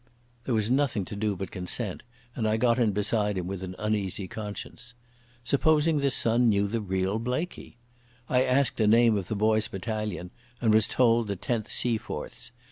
There was nothing to do but consent, and I got in beside him with an uneasy conscience. Supposing the son knew the real Blaikie! I asked the name of the boy's battalion, and was told the 10th Seaforths.